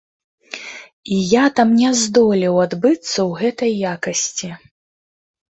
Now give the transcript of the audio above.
І я там не здолеў адбыцца ў гэтай якасці.